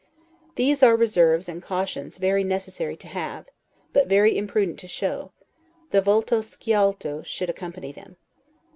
These are reserves and cautions very necessary to have, but very imprudent to show; the 'volto sciolto' should accompany them.